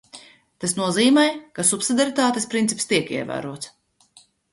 Tas nozīmē, ka subsidiaritātes princips tiek ievērots.